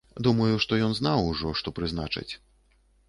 Думаю, што ён знаў ужо, што прызначаць.